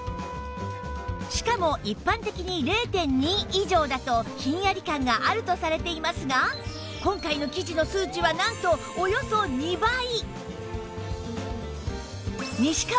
しかも一般的に ０．２ 以上だとひんやり感があるとされていますが今回の生地の数値はなんとおよそ２倍